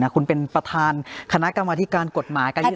คุณเป็นประธานคณะกรรมวาทิการกฎหมาย